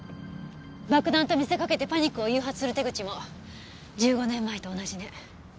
爆弾と見せかけてパニックを誘発する手口も１５年前と同じね。